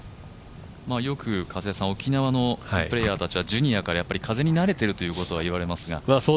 よく沖縄のプレーヤーたちはジュニアから風になれているといわれていますが。